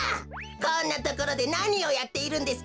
こんなところでなにをやっているんですか？